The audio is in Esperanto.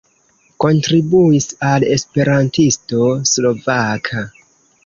Kontribuis al Esperantisto Slovaka.